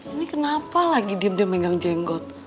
ini kenapa lagi diem deh menggang jenggot